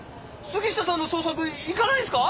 杉下さんの捜索行かないんすか？